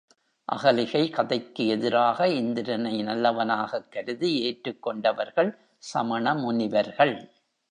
அகலிகை கதைக்கு எதிராக இந்திரனை நல்லவனாகக்கருதி ஏற்றுக் கொண்டவர்கள் சமணமுனிவர்கள்.